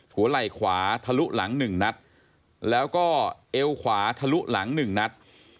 หัวไหล่ขวาทะลุหลัง๑นัดแล้วก็เอวขวาทะลุหลัง๑นัด